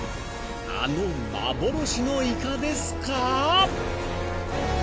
［あの幻のイカですか？］